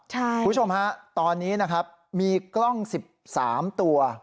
คุณผู้ชมตอนนี้มีกล้อง๑๓ตัว